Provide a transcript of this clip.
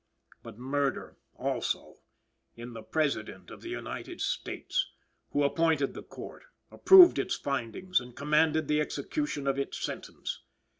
But murder, also, in the President of the United States, who appointed the court, approved its findings, and commanded the execution of its sentence.